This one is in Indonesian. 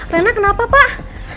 rena kenapa pak